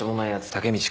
タケミチ